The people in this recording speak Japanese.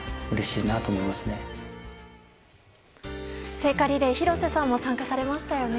聖火リレー、廣瀬さんも参加されましたよね。